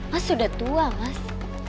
mas sudah tua mas